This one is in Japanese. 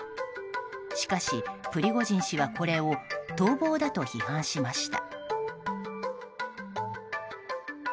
しかしプリゴジン氏はこれを逃亡だと批判しました。